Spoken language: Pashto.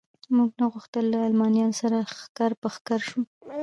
موږ نه غوښتل له المانیانو سره ښکر په ښکر شو.